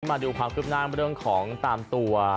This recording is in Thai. มาดูความคืบหน้าเรื่องของตามตัว